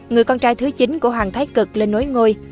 người con trai thứ chính của hoàng thái cực lên nối ngôi